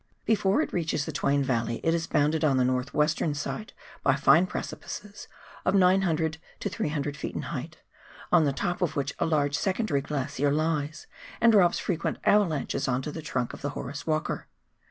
Before it reaches the Twain Valley it is bounded on the north western side by fine precipices of 900 to 300 ft. in height, on the top of which a large secondary glacier lies, and drops frequent avalanches on to the trimk of the Horace "Walker.